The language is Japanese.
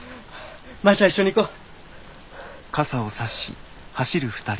マヤちゃん一緒に行こう。